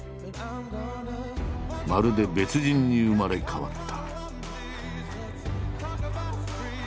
まるで別人に生まれ変わった。